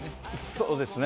そうですね。